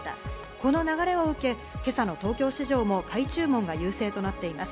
この流れを受け、今朝の東京市場も買い注文が優勢となっています。